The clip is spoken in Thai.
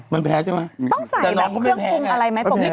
มันแพ้ใช่ไหมต้องใส่บางเครื่องฟูลอะไรไหมพวก